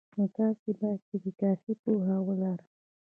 نو تاسې باید پکې کافي پوهه ولرئ.